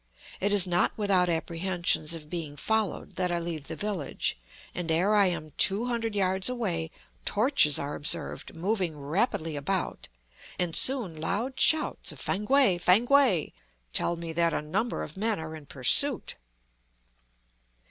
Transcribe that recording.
It is not without apprehensions of being followed that I leave the village; and ere I am two hundred yards away, torches are observed moving rapidly about, and soon loud shouts of "Fankwae, Fankwae!" tell me that a number of men are in pursuit.